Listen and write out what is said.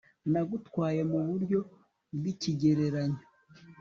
Nagutwaye mu buryo bwikigereranyo